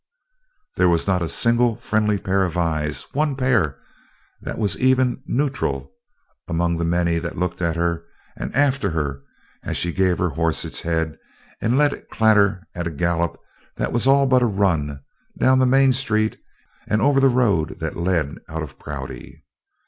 There was not a single friendly pair of eyes, or one pair that was even neutral, among the many that looked at her and after her as she gave her horse its head and let it clatter at a gallop that was all but a run down the main street and over the road that led out of Prouty.